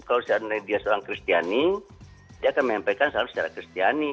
kalau seandainya dia seorang kristiani dia akan menyampaikan selalu secara kristiani